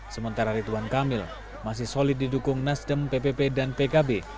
sementara ridwan kamil masih solid didukung nasdem ppp dan pkb